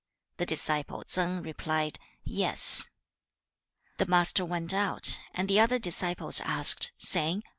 The disciple Tsang replied, 'Yes.' 2. The Master went out, and the other disciples asked, saying, 曰/何謂也.